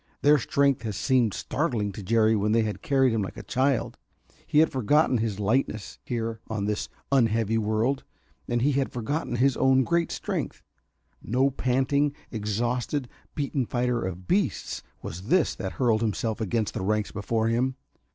Their strength had seemed startling to Jerry when they had carried him like a child. He had forgotten his lightness here on this unheavy world. And he had forgotten his own great strength. No panting, exhausted, beaten fighter of beasts was this that hurled himself against the ranks before him.